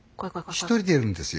１人でやるんですよ。